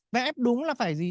và ép đúng là phải gì